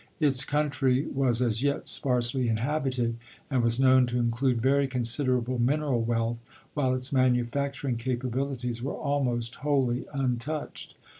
Its country was as yet sparsely inhabited, and was known to include very consid erable mineral wealth, while its manufacturing capabilities were almost wholly untouched.